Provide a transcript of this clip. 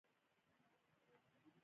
کابل ته بسونه هند ورکړل.